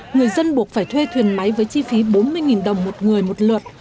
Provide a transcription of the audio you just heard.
người dân buộc phải thuê thuyền máy với chi phí bốn mươi đồng một người một lượt